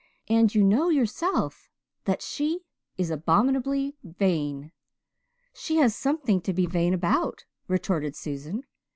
And you know yourself that she is abominably vain." "She has something to be vain about," retorted Susan.